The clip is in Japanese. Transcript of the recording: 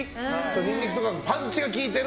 ニンニクとかのパンチが効いてる。